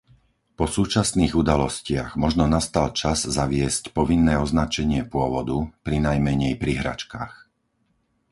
Po súčasných udalostiach možno nastal čas zaviesť povinné označenie pôvodu, prinajmenej pri hračkách.